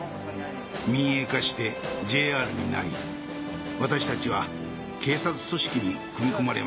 民営化して「ＪＲ」になり私たちは警察組織に組み込まれました。